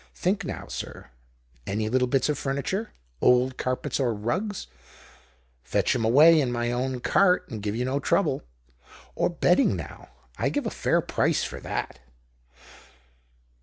Think now, sir. Any little bits of furniture? Old carpets or rugs? Fetch 'em away in my own cart and give you no trouble. Or bedding now — I give a fair price for that."